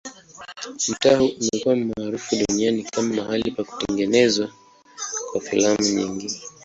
Mtaa huu umekuwa maarufu duniani kama mahali pa kutengenezwa kwa filamu nyingi.